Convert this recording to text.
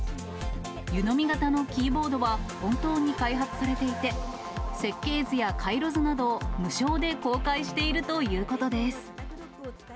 湯飲み型のキーボードは、本当に開発されていて、設計図や回路図などを無償で公開しているということです。